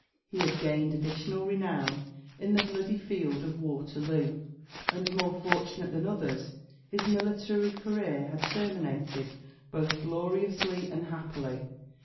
He had gained additional renown in the bloody field of Waterloo; and, more fortunate than others, his military career had terminated both gloriously and happily.